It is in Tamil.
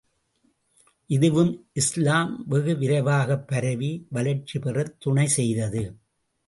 இதுவும் இஸ்லாம் வெகு விரைவாகப் பரவி, வளர்ச்சி பெறத் துணை செய்தது.